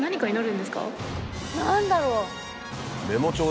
何だろう？